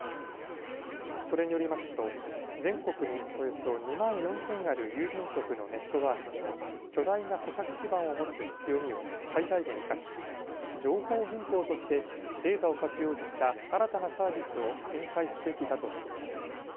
それによりますと全国におよそ２万４０００ある郵便局のネットワークと巨大な顧客基盤を持つ強みを最大限生かし、情報銀行としてデータを活用した新たなサービスを展開すべきだとしています。